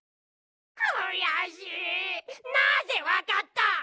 なぜわかった？